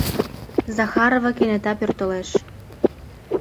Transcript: Захарова кенета пӧртылеш.